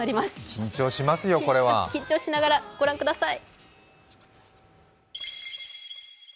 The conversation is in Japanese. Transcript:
緊張しながらご覧ください。